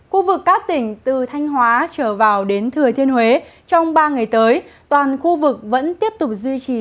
khu vực các tỉnh từ thanh hóa trở vào đến thừa thiên huế trong ba ngày tới toàn khu vực vẫn tiếp tục duy trì